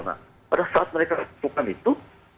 nah pada saat mereka lakukan itu